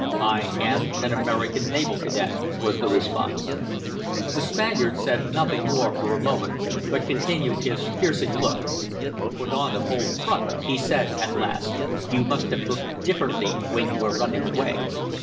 "I am an American naval cadet," was the response. The Spaniard said nothing more for a moment, but continued his piercing look. "You put on a bold front," he said at last. "You must have looked differently when you were running away."